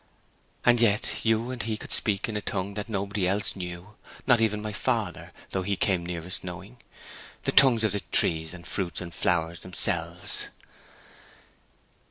"Yet you and he could speak in a tongue that nobody else knew—not even my father, though he came nearest knowing—the tongue of the trees and fruits and flowers themselves."